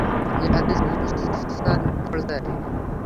এ হাদীস মুরসাল পর্যায়ের।